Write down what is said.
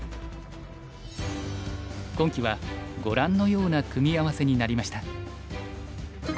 今期はご覧のような組み合わせになりました。